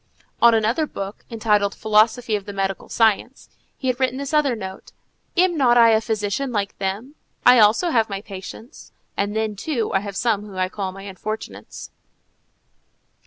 On another book, entitled Philosophy of the Medical Science, he had written this other note: "Am not I a physician like them? I also have my patients, and then, too, I have some whom I call my unfortunates."